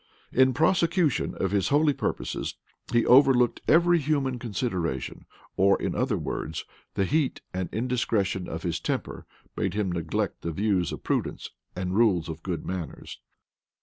In prosecution of his holy purposes, he overlooked every human consideration; or, in other words, the heat and indiscretion of his temper made him neglect the views of prudence and rules of good manners.